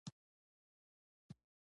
د بیو لوړول ظلم دی